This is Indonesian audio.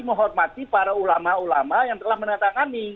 menghormati para ulama ulama yang telah menandatangani